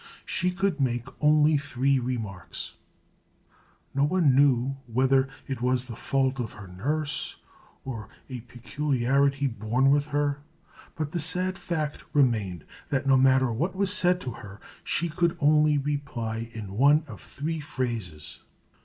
She could make only three remarks. No one knew whether it was the fault of her nurse, or a peculiarity born with her; but the sad fact remained, that no matter what was said to her, she could only reply in one of three phrases.